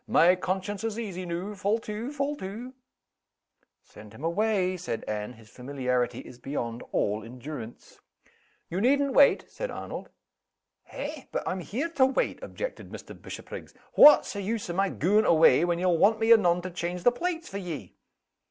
"My conscience is easy noo. Fall to! Fall to!" "Send him away!" said Anne. "His familiarity is beyond all endurance." "You needn't wait," said Arnold. "Eh! but I'm here to wait," objected Mr. Bishopriggs. "What's the use o' my gaun' away, when ye'll want me anon to change the plates for ye?"